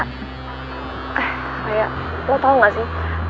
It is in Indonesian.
raya lo tau gak sih